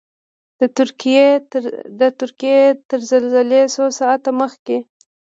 د ترکیې تر زلزلې څو ساعته مخکې.